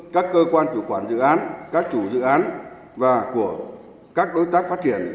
các cơ quan chủ quản dự án các chủ dự án và của các đối tác phát triển